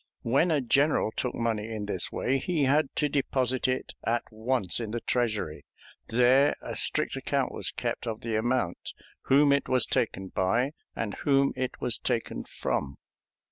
When a general took money in this way he had to deposit it at once in the Treasury; there a strict account was kept of the amount, whom it was taken by, and whom it was taken from.